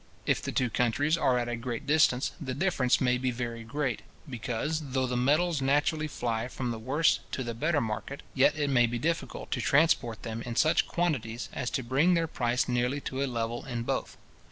If the two countries are at a great distance, the difference may be very great; because, though the metals naturally fly from the worse to the better market, yet it may be difficult to transport them in such quantities as to bring their price nearly to a level in both.